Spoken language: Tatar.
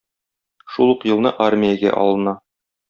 Шул ук елны армиягә алына.